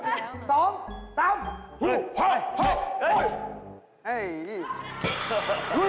หุ้ยสู้อีก